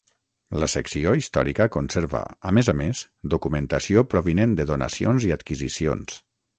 La secció Històrica conserva, a més a més, documentació provinent de donacions i adquisicions.